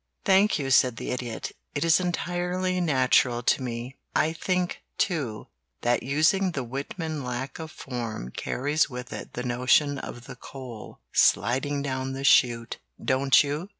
"Thank you," said the Idiot. "It is entirely natural to me. I think, too, that using the Whitman lack of form carries with it the notion of the coal sliding down the chute, don't you?